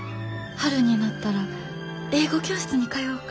春になったら英語教室に通おうか。